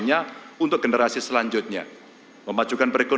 namun juga dengan tetap memastikan kemampuan rakyat